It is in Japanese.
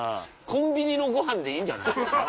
コンビニのごはんでいいんじゃないですか？